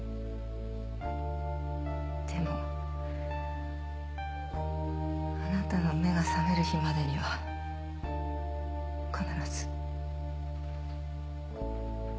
でもあなたの目が覚める日までには必ず。